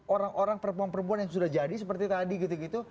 orang orang perempuan perempuan yang sudah jadi seperti tadi gitu gitu